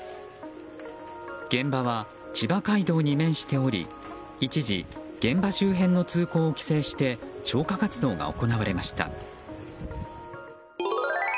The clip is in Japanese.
現場は、千葉街道に面しており一時、現場周辺の通行を規制して消火活動が行われました。